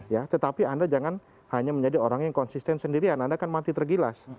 ya tetapi anda jangan hanya menjadi orang yang konsisten sendirian anda kan mati tergilas